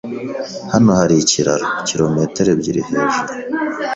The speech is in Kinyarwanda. Hano hari ikiraro kirometero ebyiri hejuru.